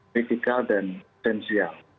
kritikal dan sensial